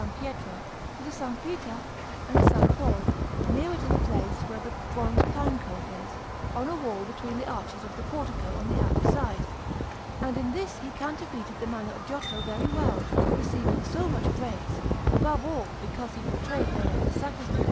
Pietro, with a S. Peter and a S. Paul, near to the place where the bronze pine cone is, on a wall between the arches of the portico on the outer side; and in this he counterfeited the manner of Giotto very well, receiving so much praise, above all because he portrayed therein a sacristan of S.